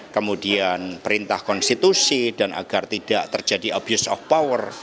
kemudian perintah konstitusi dan agar tidak terjadi abuse of power